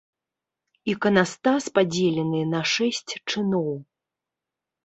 Іканастас падзелены на шэсць чыноў.